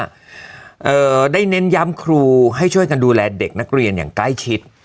เอ่อได้เน้นย้ำครูให้ช่วยกันดูแลเด็กนักเรียนอย่างใกล้ชิด